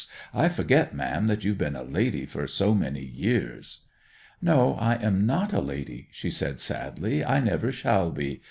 I forget, ma'am, that you've been a lady for so many years.' 'No, I am not a lady,' she said sadly. 'I never shall be.